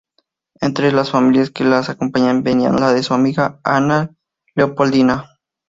Entre las familias que la acompañaron, venía la de su amiga D. Ana Leopoldina.